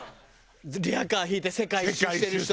リヤカー引いて世界一周してる人。